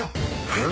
えっ？